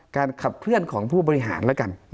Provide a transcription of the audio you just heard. ขับเคลื่อนของผู้บริหารแล้วกัน